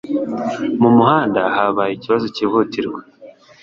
Mu muhanda habaye ikibazo cyihutirwa.